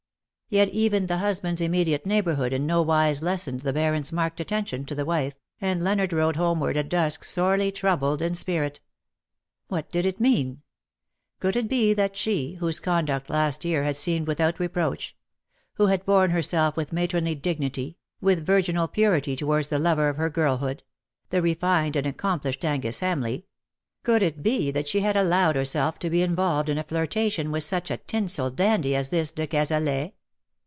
Yet even the husband^s immediate neighbourhood in no wise lessened the Baron^s marked attention to the wife, and Leonard rode homeward at dusk sorely troubled in spirit. What did it mean ? Could it be that she, whose conduct last year had seemed with out reproach ; who had borne herself with matronly dignity, with virginal purity towards the lover of her girlhood — the refined and accomplished Angus Hamleigh — could it be that she had allowed herself to be involved in a flirtation with such a tinsel dandy as this de Cazalet